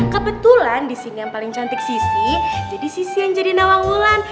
kebetulan di sini yang paling cantik sisi jadi sisi yang jadi nawang wulan